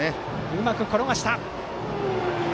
うまく転がした。